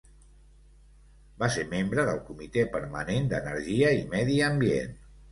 Va ser membre del Comité Permanent d'Energia i Medi Ambient.